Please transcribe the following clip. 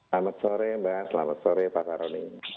selamat sore mbak selamat sore pak faroni